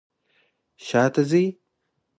شاته ځئ